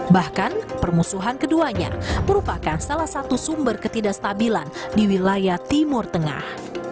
bahkan permusuhan keduanya merupakan salah satu sumber ketidakstabilan di wilayah timur tengah